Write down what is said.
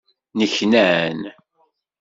Nneknan.